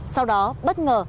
sau đó bất ngờ